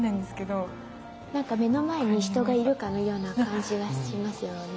何か目の前に人がいるかのような感じがしますよね。